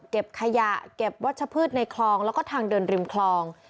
เก็บขยะเก็บวัชพืชในคลองแล้วก็ทางเดินริมคลอง